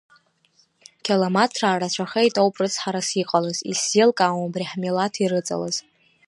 Қьаламаҭраа рацәахеит ауп рыцҳарас иҟалаз, исзеилкаауам абри ҳмилаҭ ирыҵалаз!